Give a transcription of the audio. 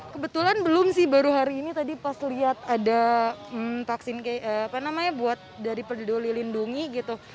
kebetulan belum sih baru hari ini tadi pas lihat ada vaksin apa namanya buat dari peduli lindungi gitu